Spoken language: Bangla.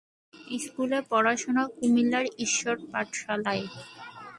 স্কুলের পড়াশোনা কুমিল্লার ঈশ্বর পাঠশালায়।